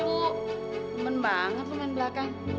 temen banget lo main belakang